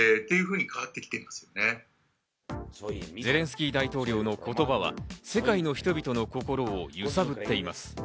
ゼレンスキー大統領の言葉は世界の人々の心を揺さぶっています。